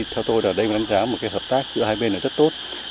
theo tôi là đây là đánh giá một hợp tác giữa hai bên rất tốt